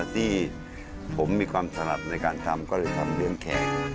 ที่ผมมีความถนัดในการทำก็เลยทำเลี้ยงแขก